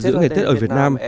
giữa ngày tết ở việt nam